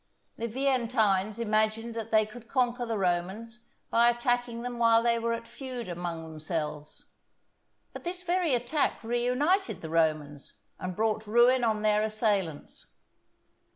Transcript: The Veientines imagined that they could conquer the Romans by attacking them while they were at feud among themselves; but this very attack reunited the Romans and brought ruin on their assailants.